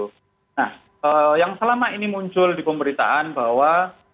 nah yang selama ini muncul di pemberitaan bahwa